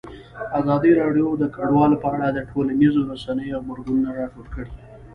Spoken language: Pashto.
ازادي راډیو د کډوال په اړه د ټولنیزو رسنیو غبرګونونه راټول کړي.